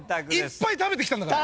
いっぱい食べてきたんだから。